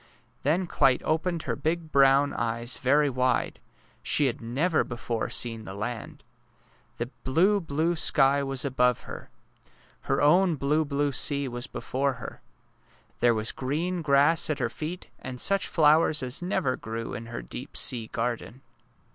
Then Clyte opened her big brown eyes very wide. She had never before seen the land! The blue, blue sky was above her. Her own 204 DAISY AND SUNFLOWER blue, blue sea was before her. There was green grass at her feet, and such flowers as never grew in her deep sea garden.